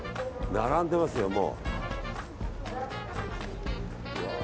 並んでますよ、もう。